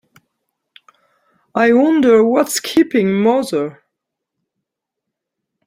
I wonder what's keeping mother?